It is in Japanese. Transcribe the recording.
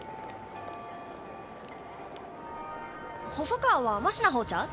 細川はマシな方ちゃう？